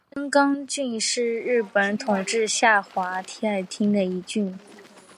真冈郡是日本统治下桦太厅的一郡。